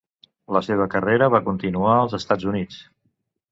La seva carrera va continuar als Estats Units.